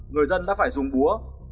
người dân đã phải dùng búa